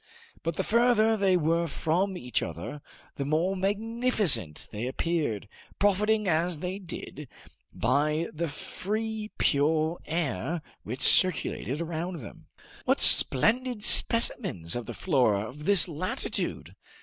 But the further they were from each other the more magnificent they appeared, profiting, as they did, by the free, pure air which circulated around them. What splendid specimens of the flora of this latitude!